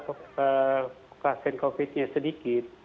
pasien covid sembilan belas nya sedikit